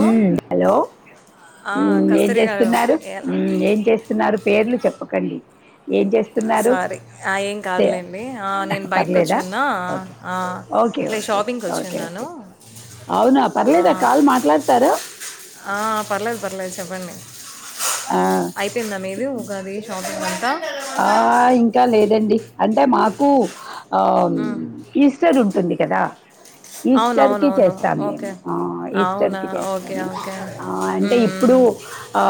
మ్ hello ఆ, ఏం కస్తూరి గారు చేస్తున్నారు ఏం చేస్తున్నారు పేర్లు చెప్పకండి ఏం చేస్తున్నారు సారీ ఏం చే- కాదులేండి నేను బయటికి వచ్చి పర్లేదా ఉన్నా ఓకే ఓకే లే ఓకే షాపింగ్కి ఓకే ఓకే వచున్నాను అవునా పర్లేదా కాల్ మాట్లాడతారు పర్లేదు పర్లేదు చెప్పండి ఆ, అయిపోయిందా మీది ఉగాది షాపింగ్ అంతా ఆ! ఇంకా లేదండి. అంటే మాకు ఆ ఉమ్, ఈస్టర్ ఉంటుంది కదా అవును ఈస్టర్ అవును కి అవును చేస్తాము ఓకే మేము ఆ ఈస్టర్ అవునా కి ఓకే చేస్తాము ఓకే ఆ అంటే ఇప్పుడు ఉమ్, ఆ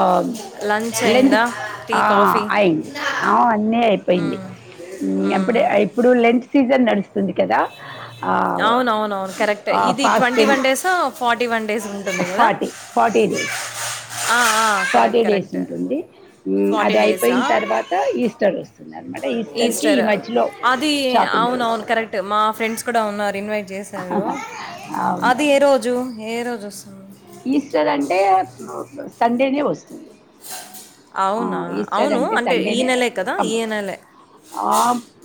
లంచ్ లేండ్ అయిందా టీ ఆ కాఫీ అయింది అ అన్నీ అయిపోయింది ఉమ్, అప్పుడ ఉమ్. ఇప్పుడు లెంచ్ సీజన్ నడుస్తుంది కదా ఆహ్, అవునవున అవును కరెక్ట్ ఆ ఇది twenty fasting one days forty one days ఉంటుంది కదా ఫార్ర్టీ డేస్ ఆ ఆ కరె ఫార్టీ డేస్ ఉంటంది అది డేసా అయిపోయిన తర్వాత ఈస్టర్ వస్తుందినమాట ఈస్టర్ కి అది అవున అవును కరెక్ట్ మా ఫ్రెండ్స్ కూడా ఉన్నారు ఇన్వైట్ చేశారు అవును అది ఏ రోజు ఏ రోజు వస్తుంది ఈస్టర్ అంటే సండేనే వస్తుంది అవునా ఈస్టర్ అవును అంటే ఈ సండేనే నెలే కదా ఈ కంపల్సరీ నెలే ఆ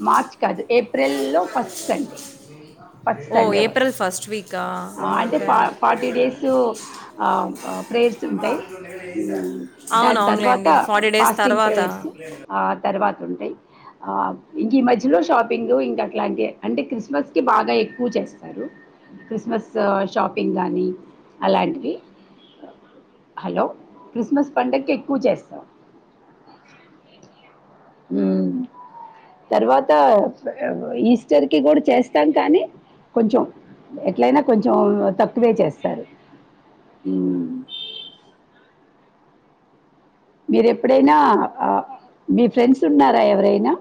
మార్చ్ కాదు ఏప్రిల్ లో ఫస్ట్ సండే పట్టు ఓ సండే వస్తు ఏప్రిల్ ఫస్ట్ వీకా అంటే ఓకే ఫ ఫార్టీ డేస్ ప్రేర్స్ ఉంటాయి అవును దాని తర్వాత అవునులేండి ఫార్టీ డేస్ ఫాస్టింగ్ తర్వాత ప్రేయర్ ఆ తర్వాత ఉంటాయి ఆ ఇంక ఈ మధ్యలో షాపింగ్ ఇంకా అట్లాంటి అంటే క్రిస్మస్ కి బాగా ఎక్కువ చేస్తారు క్రిస్మస్ షాపింగ్ కానీ అలాంటివి హలో క్రిస్మస్ పండగ ఎక్కువ చేస్తాం హ తర్వాత ఈస్టర్ కి కూడా చేస్తాం కానీ కొంచెం ఎట్లయినా కొంచెం తక్కువే చేస్తారు ఇ మీర ఎప్పుడైనా మీ ఫ్రెండ్స్ ఉన్నారా ఎవరైనా